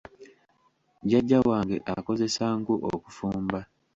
Jjajja wange akozesa nku okufumba.